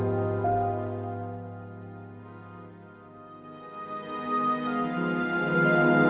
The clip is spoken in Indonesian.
oh siapa ini